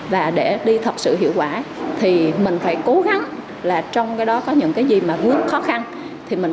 và để đi thật sự hiệu quả thì mình phải cố gắng là trong cái đó có những cái gì mà vướng khó khăn